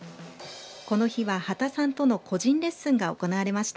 この日は刄田さんとの個人レッスンが行われました。